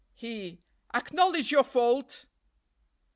"He. 'Acknowledge your fault.'